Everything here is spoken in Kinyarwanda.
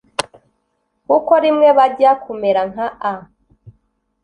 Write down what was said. kuko rimwe bajya kumera nka A